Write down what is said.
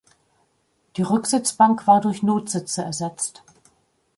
Die Rücksitzbank war durch Notsitze ersetzt.